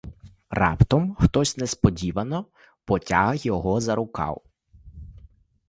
Раптом хтось несподівано потяг його за рукав.